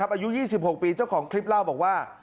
อายุ๒๖ปีเจ้าของคลิปเล่าบอกว่า